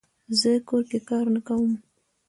زه کور کې کار نه کووم